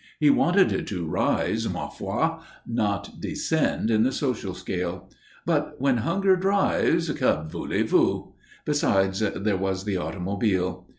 He wanted to rise, ma foi, not descend in the social scale. But when hunger drives que voulez vous? Besides, there was the automobile.